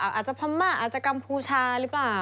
อาจจะพม่าอาจจะกัมพูชาหรือเปล่า